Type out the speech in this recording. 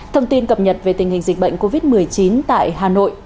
thông tin cập nhật về tình hình dịch bệnh covid một mươi chín tại hà nội